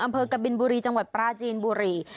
อำเภอกับบิลบุรีจังหวัดประจีนบุรี